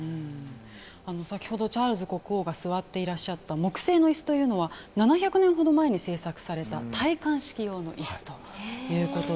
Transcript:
先ほどチャールズ国王が座っていらっしゃった木製の椅子というのは７００年ほど前に制作された戴冠式用の椅子ということで。